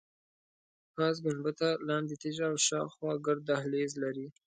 پاس ګنبده، لاندې تیږه او شاخوا ګرد دهلیز لري.